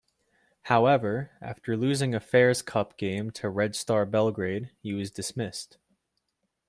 However, after losing a Fairs Cup game to Red Star Belgrade he was dismissed.